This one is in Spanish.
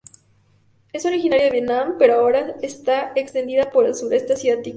Es originaria de Vietnam, pero ahora está extendida por el Sureste Asiático.